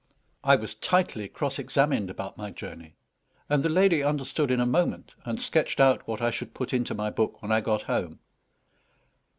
I was tightly cross examined about my journey; and the lady understood in a moment, and sketched out what I should put into my book when I got home.